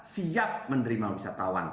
siap menerima wisatawan